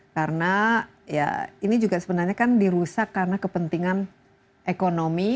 karena ya ini juga sebenarnya kan dirusak karena kepentingan ekonomi